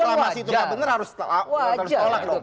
kalau reklamasi itu nggak bener harus tolak dong